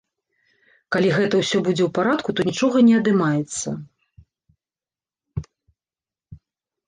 Калі гэта ўсё будзе ў парадку, то нічога не адымаецца.